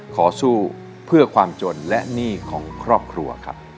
ขอสู้เพื่อความจนและหนี้ของครอบครัวครับ